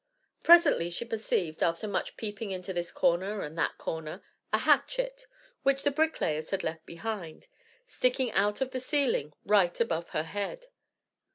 Presently she perceived, after much peeping into this corner and that corner, a hatchet, which the bricklayers had left behind, sticking out of the ceiling right above her head.